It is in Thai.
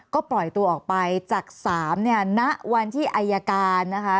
ก็ปล่อยตัวออกไปจาก๓เนี่ยณวันที่อายการนะคะ